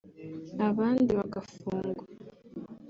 abandi bagafungwa